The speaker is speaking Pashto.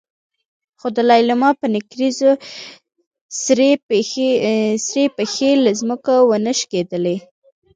خو د لېلما په نکريزو سرې پښې له ځمکې ونه شکېدلې.